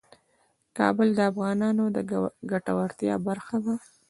کابل د افغانانو د ګټورتیا برخه ده.